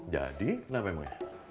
jadi kenapa emangnya